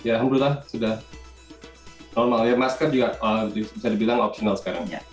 alhamdulillah sudah normal masker juga bisa dibilang optional sekarang